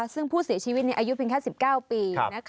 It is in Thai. ซึ่งผู้เสียชีวิตอายุเพียงแค่๑๙ปี